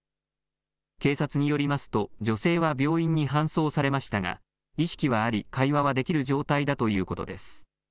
警察によりますと、女性は病院に搬送されましたが、意識はあり、会話はできる状態だということです。